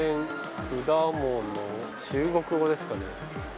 果物中国語ですかね。